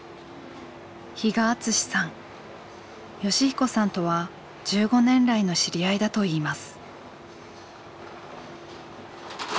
善彦さんとは１５年来の知り合いだといいます。